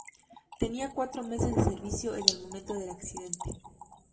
Tenía cuatro meses de servicio en el momento del accidente.